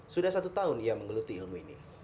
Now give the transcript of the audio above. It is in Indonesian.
sudah satu tahun ia menggeluti ilmu ini